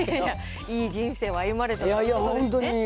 いい人生を歩まれているということですね。